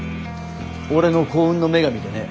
俺の幸運の女神でね。